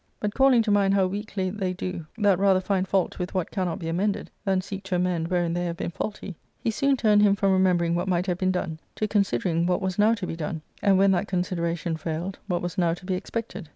But calling to mind how weakly they do that rather find fault with what cannot be amended than seek to amend wherein they have been faulty, he soon turned him from re membering what might have been done to considering what was now to be done, and, when that consideration failed, what was now to be expected.